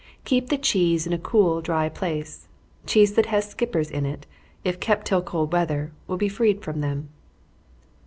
Keep the cheese in a cool, dry place. Cheese that has skippers in it, if kept till cold weather, will be freed from them.